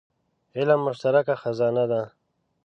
علم مشترکه خزانه ده.